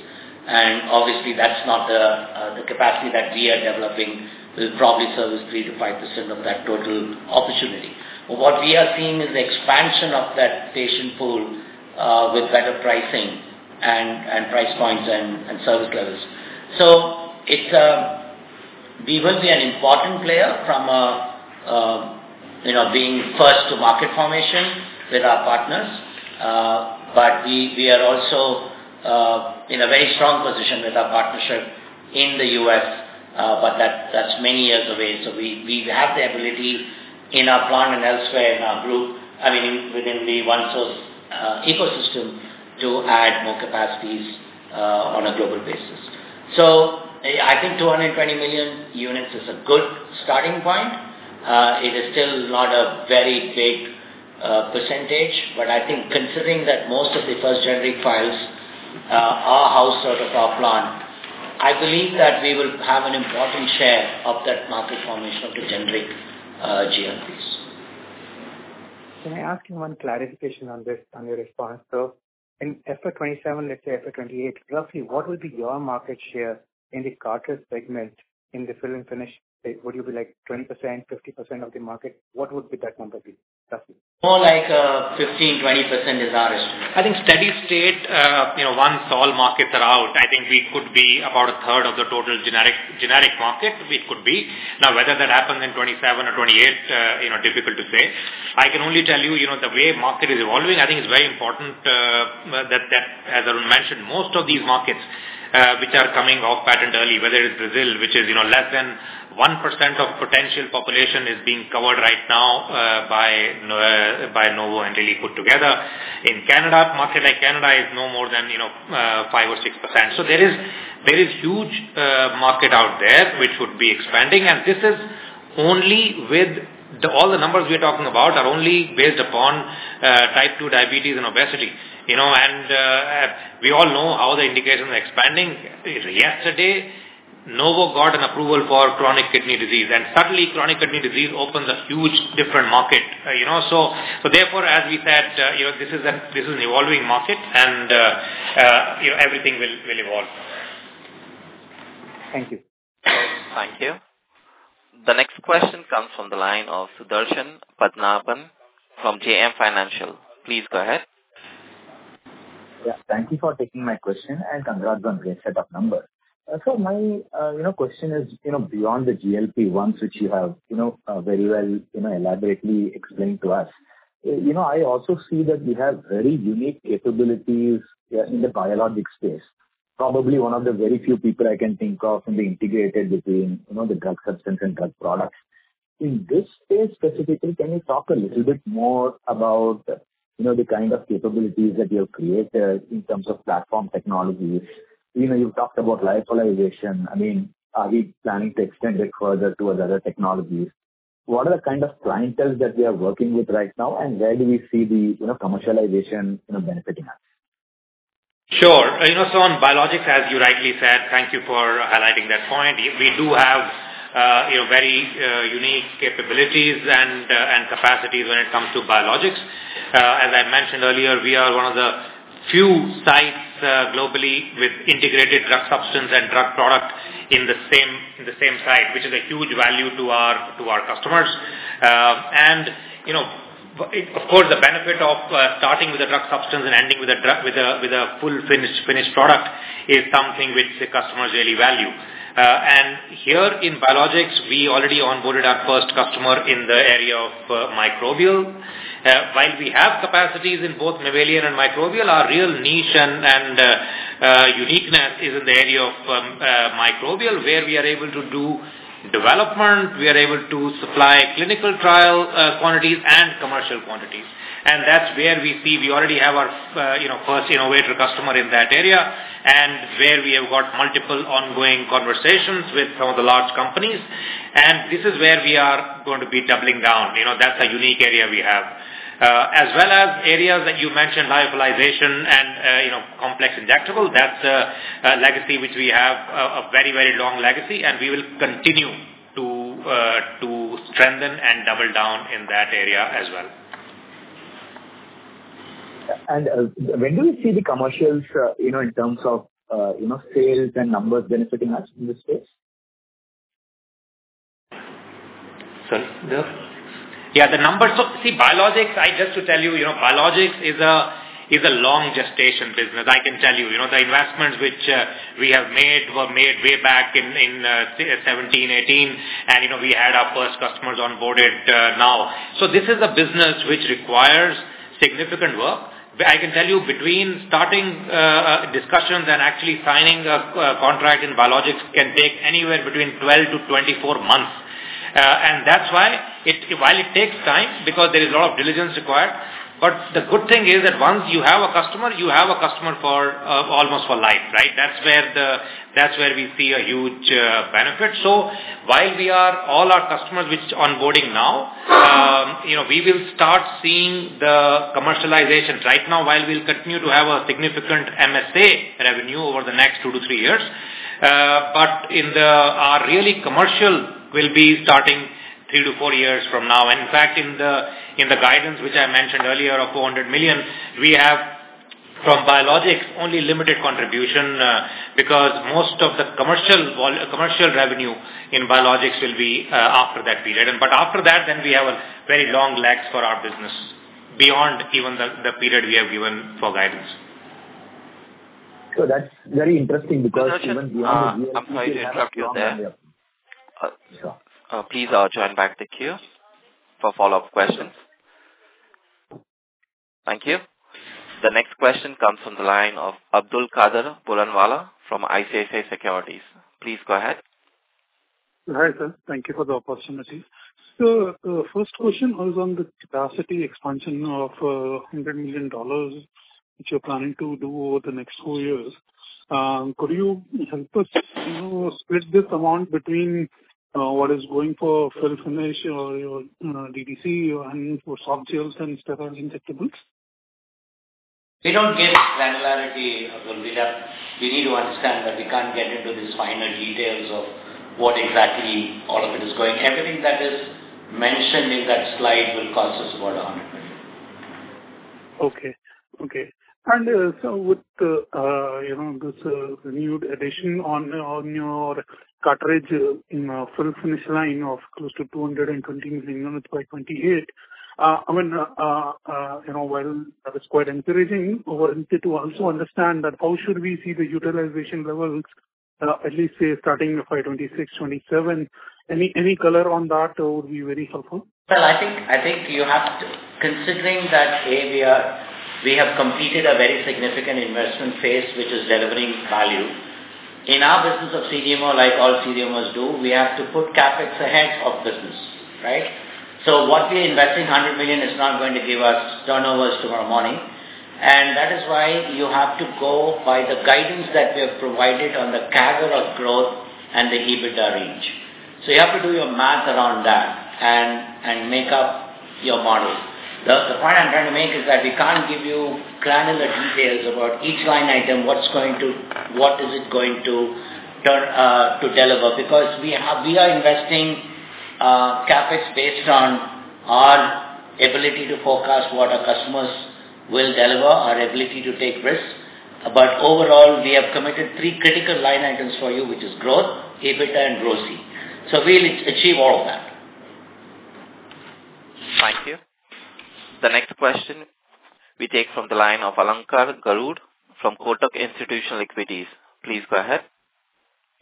Obviously that's not the capacity that we are developing. We'll probably service 3%-5% of that total opportunity. What we are seeing is the expansion of that patient pool with better pricing and price points and service levels. We will be an important player from being first to market formation with our partners. We are also in a very strong position with our partnership in the U.S., but that's many years away. We have the ability in our plant and elsewhere in our group, within the OneSource ecosystem, to add more capacities on a global basis. I think 220 million units is a good starting point. It is still not a very big percentage. I think considering that most of the first generic files are housed out of our plant, I believe that we will have an important share of that market formation of the generic GLPs. Can I ask you one clarification on this, on your response, though? In FY 2027, let's say FY 2028, roughly what will be your market share in the cartridge segment, in the fill and finish? Would you be like 20%, 50% of the market? What would that number be, roughly? More like 15%-20% is our estimate. I think steady state, once all markets are out, I think we could be about a third of the total generic market. We could be. Whether that happens in 2027 or 2028, difficult to say. I can only tell you, the way market is evolving, I think it's very important that, as Arun mentioned, most of these markets which are coming off patent early, whether it's Brazil, which is less than 1% of potential population is being covered right now by Novo and Lilly put together. In Canada, a market like Canada is no more than 5% or 6%. There is huge market out there which would be expanding. All the numbers we are talking about are only based upon Type 2 diabetes and obesity. We all know how the indications are expanding. Yesterday, Novo got an approval for chronic kidney disease, suddenly chronic kidney disease opens a huge different market. Therefore, as we said, this is an evolving market and everything will evolve. Thank you. Thank you. The next question comes from the line of Sudarshan Padmanabhan from JM Financial. Please go ahead. Thank you for taking my question and congrats on great set of numbers. My question is, beyond the GLP-1, which you have very well elaborately explained to us. I also see that you have very unique capabilities in the biologics space. Probably one of the very few people I can think of in the integrated between the drug substance and drug product. In this space specifically, can you talk a little bit more about the kind of capabilities that you have created in terms of platform technologies? You've talked about lyophilization. Are we planning to extend it further towards other technologies? What are the kind of clienteles that we are working with right now, and where do we see the commercialization benefiting us? Sure. On biologics, as you rightly said, thank you for highlighting that point. We do have very unique capabilities and capacities when it comes to biologics. As I mentioned earlier, we are one of the few sites globally with integrated drug substance and drug product in the same site, which is a huge value to our customers. Of course, the benefit of starting with a drug substance and ending with a full finished product is something which the customers really value. Here in biologics, we already onboarded our first customer in the area of microbial. While we have capacities in both mammalian and microbial, our real niche and uniqueness is in the area of microbial, where we are able to do development, we are able to supply clinical trial quantities and commercial quantities. That's where we see we already have our first innovator customer in that area, where we have got multiple ongoing conversations with some of the large companies, this is where we are going to be doubling down. That's a unique area we have. As well as areas that you mentioned, lyophilization and complex injectables, that's a legacy which we have, a very long legacy, we will continue to strengthen and double down in that area as well. When do you see the commercials in terms of sales and numbers benefiting us in this space? Sorry, Neeraj. The numbers. Biologics, just to tell you, biologics is a long gestation business. I can tell you. The investments which we have made were made way back in 2017, 2018, and we had our first customers onboarded now. This is a business which requires significant work. I can tell you between starting discussions and actually signing a contract in biologics can take anywhere between 12 to 24 months. That's why while it takes time, because there is a lot of diligence required, the good thing is that once you have a customer, you have a customer almost for life, right? That's where we see a huge benefit. While all our customers which are onboarding now, we will start seeing the commercializations. Right now while we'll continue to have a significant MSA revenue over the next 2 to 3 years, our really commercial will be starting 3 to 4 years from now. In fact, in the guidance which I mentioned earlier of $400 million, we have from biologics, only limited contribution, because most of the commercial revenue in biologics will be after that period. After that, we have a very long lags for our business beyond even the period we have given for guidance. That's very interesting because- I'm sorry to interrupt you there. Sure. Please join back the queue for follow-up questions. Thank you. The next question comes from the line of Abdulkader Puranwala from ICICI Securities. Please go ahead. Hi, sir. Thank you for the opportunity. The first question was on the capacity expansion of INR 100 million, which you're planning to do over the next four years. Could you help us split this amount between what is going for fill-finish or your DDC and for soft gels and sterile injectables? We don't get granularity, Abdulkader. You need to understand that we can't get into these finer details of what exactly all of it is going. Everything that is mentioned in that slide will cost us about 100 million. With this renewed addition on your cartridge fill-finish line of close to 220 million units by 2028, while that is quite encouraging, we wanted to also understand that how should we see the utilization levels, at least say starting 2026, 2027. Any color on that would be very helpful. Well, I think you have to consider that, A, we have completed a very significant investment phase which is delivering value. In our business of CDMO, like all CDMOs do, we have to put CapEx ahead of business, right? What we invest in 100 million is not going to give us turnovers tomorrow morning, and that is why you have to go by the guidance that we have provided on the CAGR of growth and the EBITDA range. You have to do your math around that and make up your model. The point I'm trying to make is that we can't give you granular details about each line item, what is it going to deliver. We are investing CapEx based on our ability to forecast what our customers will deliver, our ability to take risks. Overall, we have committed three critical line items for you, which is growth, EBITDA, and ROCE. We'll achieve all of that. Thank you. The next question we take from the line of Alankar Garude from Kotak Institutional Equities. Please go ahead.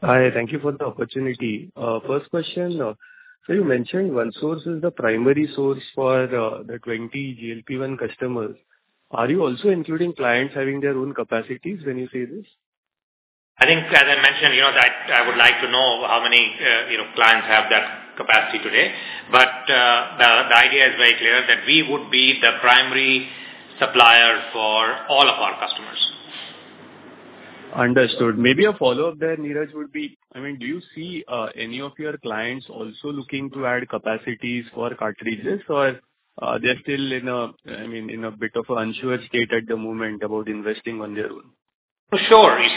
Hi, thank you for the opportunity. First question. You mentioned OneSource is the primary source for the 20 GLP-1 customers. Are you also including clients having their own capacities when you say this? I think as I mentioned, I would like to know how many clients have that capacity today. The idea is very clear that we would be the primary supplier for all of our customers. Understood. Maybe a follow-up there, Neeraj, would be, do you see any of your clients also looking to add capacities for cartridges, or they're still in a bit of an unsure state at the moment about investing on their own? For sure. I'm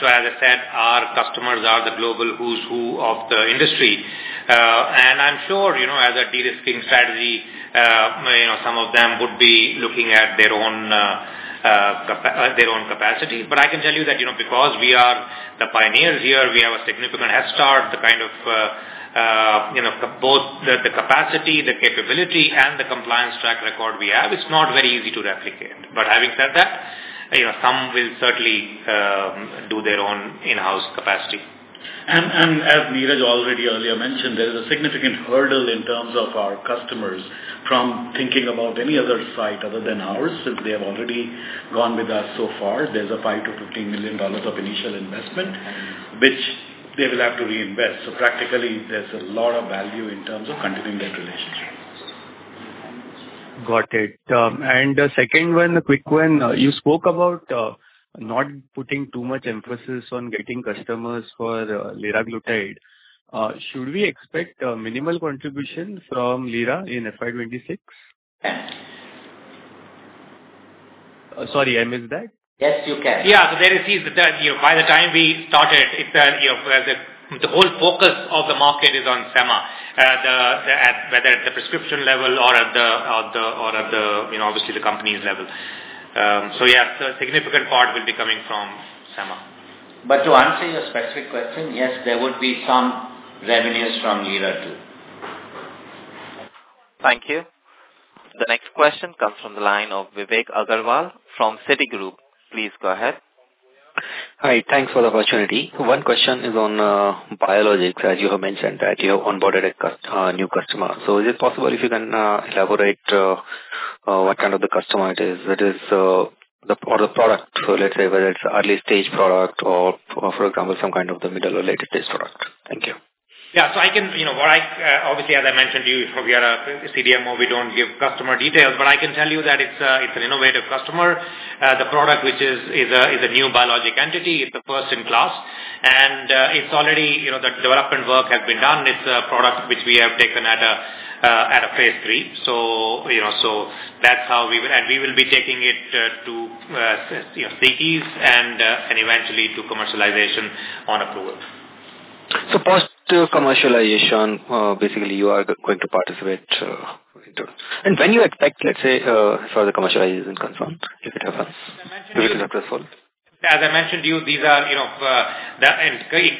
sure, as I said, our customers are the global who's who of the industry. I'm sure, as a de-risking strategy, some of them would be looking at their own capacity. I can tell you that because we are the pioneers here, we have a significant head start, the kind of both the capacity, the capability, and the compliance track record we have, it's not very easy to replicate. Having said that, some will certainly do their own in-house capacity. As Neeraj already earlier mentioned, there is a significant hurdle in terms of our customers from thinking about any other site other than ours, since they have already gone with us so far. There's a $5 million-$15 million of initial investment, which they will have to reinvest. Practically, there's a lot of value in terms of continuing that relationship. Got it. Second one, a quick one. You spoke about- Not putting too much emphasis on getting customers for liraglutide, should we expect a minimal contribution from liraglutide in FY 2026? Sorry, I missed that. Yes, you can. Yeah. There it is that by the time we started, the whole focus of the market is on semaglutide, whether at the prescription level or obviously the companies level. Yeah, a significant part will be coming from semaglutide. To answer your specific question, yes, there would be some revenues from liraglutide too. Thank you. The next question comes from the line of Vivek Agarwal from Citigroup. Please go ahead. Hi. Thanks for the opportunity. One question is on biologics as you have mentioned that you have onboarded a new customer. Is it possible if you can elaborate what kind of the customer it is or the product, let's say whether it's early-stage product or for example, some kind of the middle or later-stage product. Thank you. Obviously, as I mentioned to you, we are a CDMO. We don't give customer details, but I can tell you that it's an innovative customer. The product which is a new biologic entity, it's a first in class and the development work has been done. It's a product which we have taken at a phase III. We will be taking it to CTE and eventually to commercialization on approval. Post commercialization, basically you are going to participate. When you expect, let's say, for the commercialization confirmed, if it ever As I mentioned to you,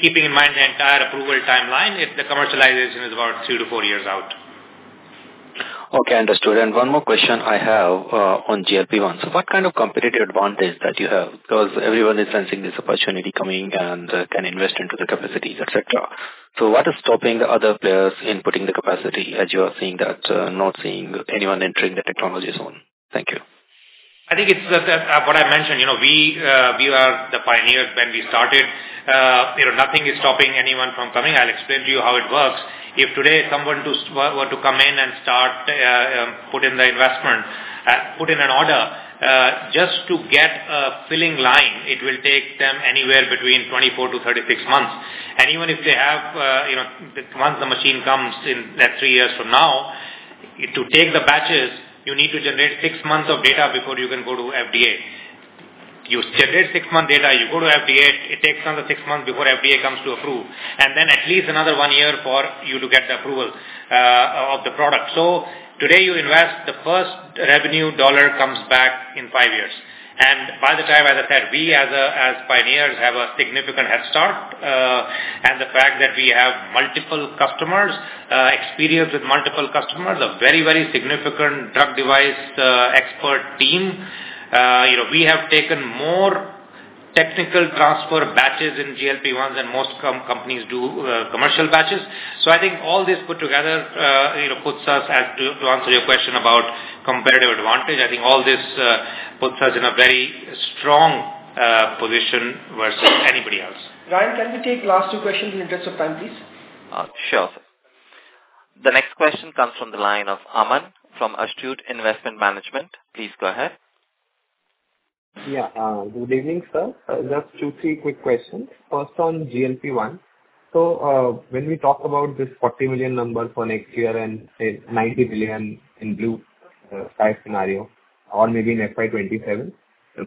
keeping in mind the entire approval timeline, if the commercialization is about two to four years out. Okay, understood. One more question I have on GLP-1. What kind of competitive advantage that you have? Everyone is sensing this opportunity coming and can invest into the capacities, et cetera. What is stopping the other players in putting the capacity as you are seeing that, not seeing anyone entering the technology zone? Thank you. I think it's what I mentioned. We were the pioneers when we started. Nothing is stopping anyone from coming. I'll explain to you how it works. If today someone were to come in and start putting the investment, put in an order, just to get a filling line, it will take them anywhere between 24 to 36 months. Even if they have, once the machine comes in, that's three years from now, to take the batches, you need to generate six months of data before you can go to FDA. You generate six-month data, you go to FDA, it takes another six months before FDA comes to approve, and then at least another one year for you to get the approval of the product. Today you invest, the first revenue dollar comes back in five years. By the time, as I said, we as pioneers have a significant head start. The fact that we have multiple customers, experience with multiple customers, a very, very significant drug device expert team. We have taken more technical transfer batches in GLP-1 than most companies do commercial batches. I think all this put together puts us, to answer your question about competitive advantage, I think all this puts us in a very strong position versus anybody else. Ryan, can we take last two questions in the interest of time, please? Sure. The next question comes from the line of Aman from Astute Investment Management. Please go ahead. Yeah. Good evening, sir. Just two, three quick questions. First on GLP-1. When we talk about this 40 million number for next year and, say, 90 million in blue sky scenario or maybe in FY 2027,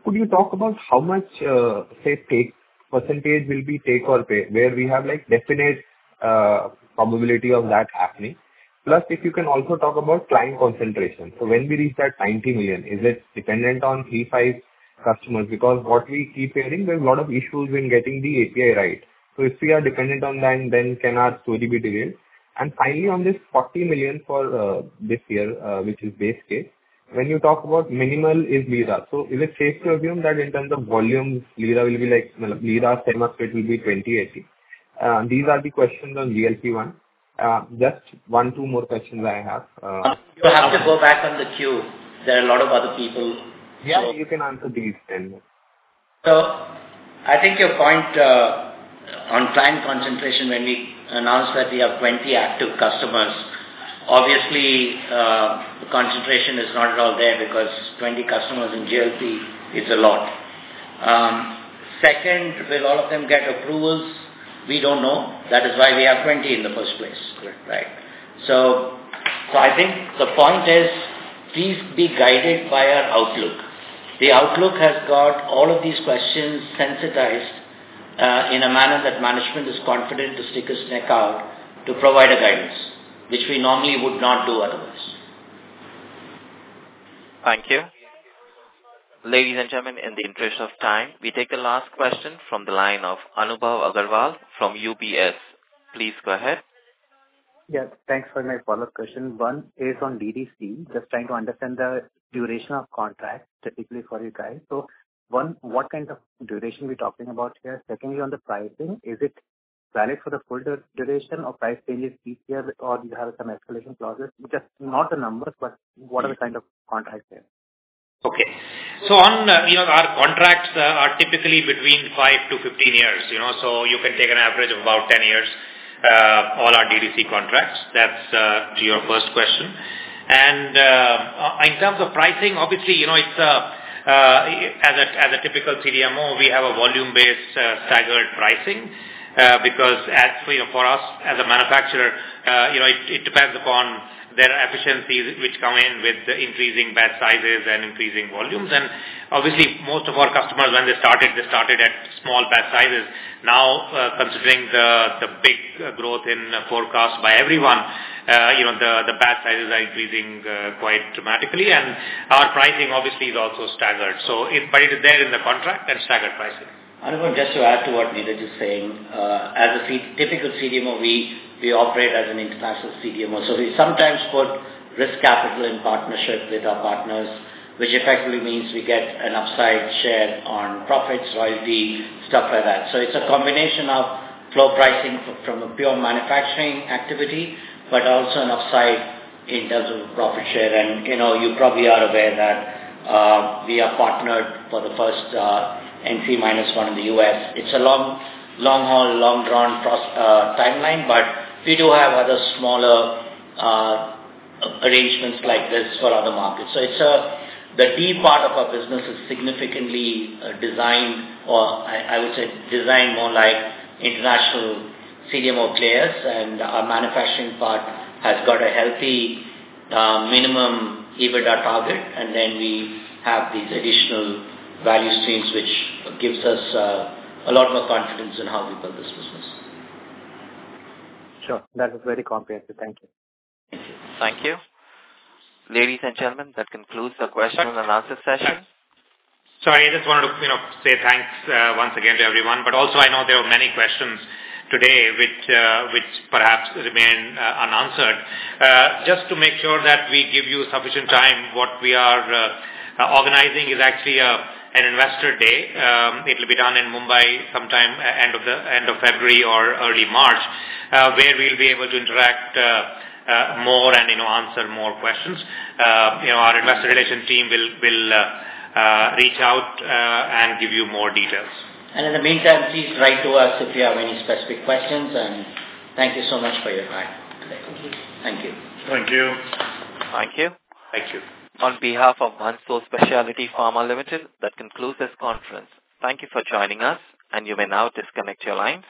could you talk about how much, say, % will be take or pay where we have definite probability of that happening? Plus, if you can also talk about client concentration. When we reach that 90 million, is it dependent on three, five customers? Because what we keep hearing, there's a lot of issues in getting the API right. If we are dependent on them, then can our story be delayed? Finally, on this 40 million for this year, which is base case, when you talk about minimal is liraglutide. Is it safe to assume that in terms of volumes, liraglutide semaglutide split will be 20/80? These are the questions on GLP-1. Just one, two more questions I have. You'll have to go back on the queue. There are a lot of other people. Yeah, you can answer these then. I think your point on client concentration when we announced that we have 20 active customers, obviously, concentration is not at all there because 20 customers in GLP is a lot. Second, will all of them get approvals? We don't know. That is why we have 20 in the first place. Correct. Right. I think the point is, please be guided by our outlook. The outlook has got all of these questions sensitized, in a manner that management is confident to stick its neck out to provide a guidance, which we normally would not do otherwise. Thank you. Ladies and gentlemen, in the interest of time, we take the last question from the line of Anubhav Agarwal from UBS. Please go ahead. Yeah. Thanks for my follow-up question. One is on DDC. Just trying to understand the duration of contract, typically for you guys. One, what kind of duration are we talking about here? Secondly, on the pricing, is it valid for the full duration or price changes each year or do you have some escalation clauses? Just not the numbers, but what are the kind of contracts there? Okay. Our contracts are typically between 5-15 years. You can take an average of about 10 years. Our DDC contracts, that's to your first question. In terms of pricing, obviously, as a typical CDMO, we have a volume-based staggered pricing, because for us as a manufacturer, it depends upon their efficiencies, which come in with increasing batch sizes and increasing volumes. Obviously, most of our customers, when they started, they started at small batch sizes. Now, considering the big growth in forecast by everyone, the batch sizes are increasing quite dramatically, and our pricing obviously is also staggered. It is there in the contract, that staggered pricing. Anirudh, just to add to what Neeraj is saying. As a typical CDMO, we operate as an international CDMO. We sometimes put risk capital in partnership with our partners, which effectively means we get an upside share on profits, royalty, stuff like that. It's a combination of flow pricing from the pure manufacturing activity, but also an upside in terms of profit share. You probably are aware that we are partnered for the first NCE-1 in the U.S. It's a long-haul, long-drawn timeline, but we do have other smaller arrangements like this for other markets. The B part of our business is significantly designed, or I would say designed more like international CDMO players, and our manufacturing part has got a healthy minimum EBITDA target, and then we have these additional value streams, which gives us a lot more confidence in how we build this business. Sure. That is very comprehensive. Thank you. Thank you. Thank you. Ladies and gentlemen, that concludes the question and answer session. Sorry, I just wanted to say thanks once again to everyone, but also, I know there were many questions today which perhaps remain unanswered. Just to make sure that we give you sufficient time, what we are organizing is actually an investor day. It'll be done in Mumbai sometime end of February or early March, where we'll be able to interact more and answer more questions. Our investor relation team will reach out and give you more details. In the meantime, please write to us if you have any specific questions, and thank you so much for your time today. Thank you. Thank you. Thank you. Thank you. Thank you. On behalf of OneSource Specialty Pharma Limited, that concludes this conference. Thank you for joining us, and you may now disconnect your line.